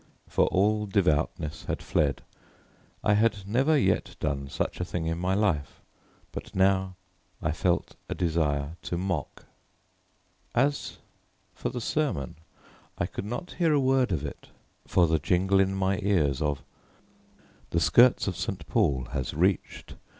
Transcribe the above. For all devoutness had fled. I had never yet done such a thing in my life, but now I felt a desire to mock. As for the sermon, I could not hear a word of it for the jingle in my ears of "The skirts of St. Paul has reached.